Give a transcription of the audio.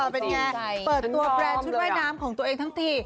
เป็นไงเปิดตัวแบรนด์ชุดว่ายน้ำของตัวเองทั้งที